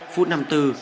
phút nằm từ